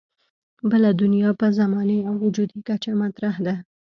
بله دنیا په زماني او وجودي کچه مطرح ده.